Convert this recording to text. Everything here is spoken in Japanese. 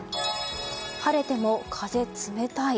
晴れても風冷たい。